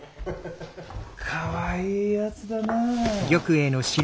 かわいいやつだな。